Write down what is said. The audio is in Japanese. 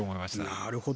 なるほど。